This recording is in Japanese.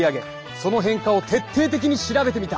その変化を徹底的に調べてみた。